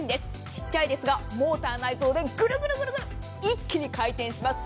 小さいですがモーター内蔵でグルグルっと一気に回転します。